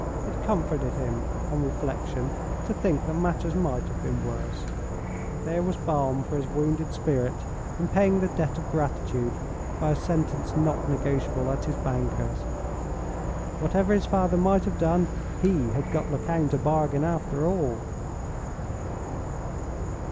It comforted him, on reflection, to think that matters might have been worse. There was balm for his wounded spirit in paying the debt of gratitude by a sentence not negotiable at his banker's. Whatever his father might have done, he had got Lecount a bargain, after all!